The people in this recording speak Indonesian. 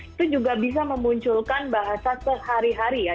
itu juga bisa memunculkan bahasa sehari hari ya